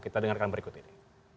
kita dengarkan berikut ini